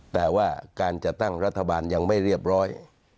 แต่ว่าการจัดตั้งรัฐบาลยังไม่เรียบร้อย